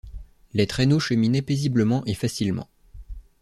Les traîneaux cheminaient paisiblement et facilement.